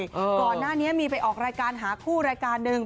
ก่อนหน้านี้มีไปออกรายการหาคู่รายการหนึ่ง